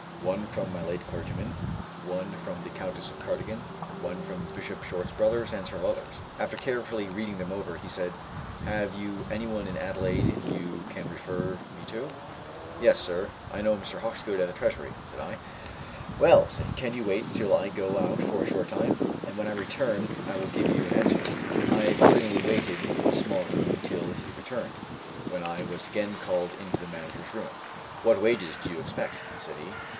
One from my late clergyman, one from the Countess of Cardigan, one from Bishop Short's brother, and several others." After carefully reading them over, he said, "Have you anyone in Adelaide you can refer me to?" "Yes, sir; I know Mr. Hawkesgood at the Treasury," said I. "Well," said he, "can you wait till I go out for a short time? And when I return I will give you an answer." I accordingly waited in a small room till he returned, when I was again called into the manager's room. "What wages do you expect?" said he.